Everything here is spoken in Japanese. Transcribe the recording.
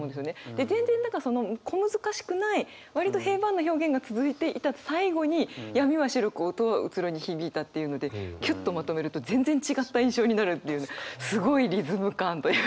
で全然だからその小難しくない割と平板な表現が続いていた最後に「闇は白く、音はうつろに響いた」っていうのでキュッとまとめると全然違った印象になるっていうすごいリズム感というか。